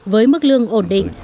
với mức lương ổn định